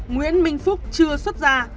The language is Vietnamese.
nguyễn minh phúc chưa xuất ra